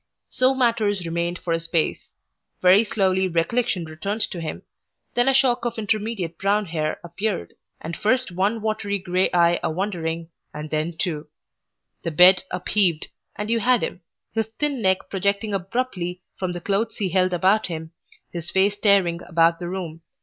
So matters remained for a space. Very slowly recollection returned to him. Then a shock of indeterminate brown hair appeared, and first one watery grey eye a wondering, and then two; the bed upheaved, and you had him, his thin neck projecting abruptly from the clothes he held about him, his face staring about the room.